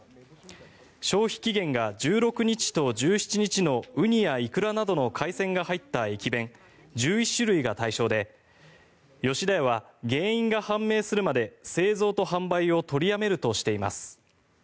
消費期限が１６日と１７日のウニやイクラなどの海鮮が入った駅弁１１種類が対象で吉田屋は原因が判明するまで製造と販売を取りやめるとしています。